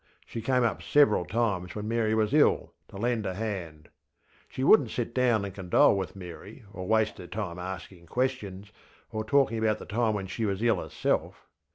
She came up several times when Mary was ill, to lend a hand. She wouldnŌĆÖt sit down and condole with Mary, or waste her time asking questions, or talking about the time when she was ill herself.